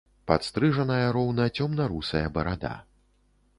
Падстрыжаная роўна цёмна-русая барада.